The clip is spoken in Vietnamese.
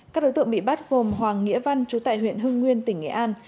các đối tượng bị bắt gồm hoàng nghĩa văn chú tại huyện hưng nguyên tỉnh nghệ an